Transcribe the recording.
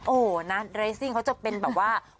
โอ้โหนะเรสซิ่งเขาจะเป็นแบบว่า